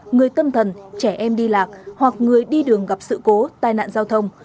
người tâm thần trẻ em đi lạc hoặc người đi đường gặp sự cố tai nạn giao thông